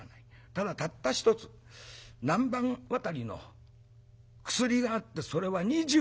ただたった一つ南蛮渡りの薬があってそれは２０両だ。